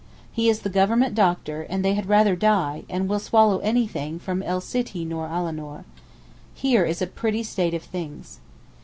He is the Government doctor, and they had rather die, and will swallow anything from el Sittee Noor ala Noor. Here is a pretty state of things.